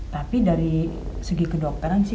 tapi dari segi kedokteran sih